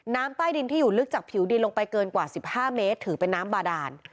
ใต้ดินที่อยู่ลึกจากผิวดินลงไปเกินกว่า๑๕เมตรถือเป็นน้ำบาดาน